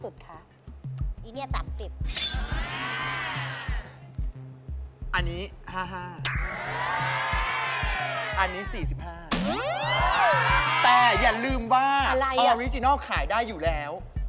แต่อย่าลืมว่าออริจินัลขายได้อยู่แล้ว